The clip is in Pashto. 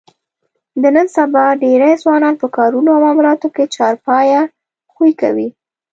د نن سبا ډېری ځوانان په کارونو او معاملاتو کې چارپایه خوی کوي.